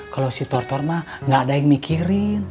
kalau si tortor mah gak ada yang mikirin